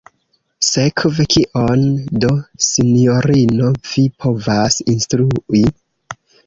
Sekve kion do, sinjorino, vi povas instrui?